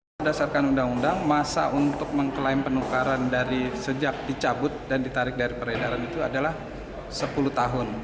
berdasarkan undang undang masa untuk mengklaim penukaran dari sejak dicabut dan ditarik dari peredaran itu adalah sepuluh tahun